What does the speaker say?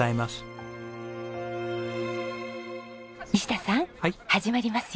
西田さん始まりますよ。